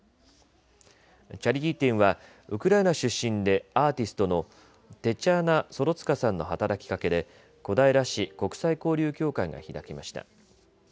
チャリティー展はウクライナ出身でアーティストのテチャーナ・ソロツカさんの働きかけで小平市国際交流協会が開きました。